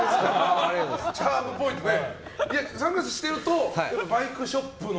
チャームポイントね。